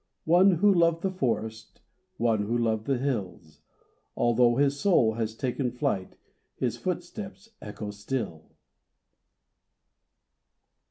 One who loved the forest, One who loved the hills, Although his soul has taken flight, His foot steps echo still."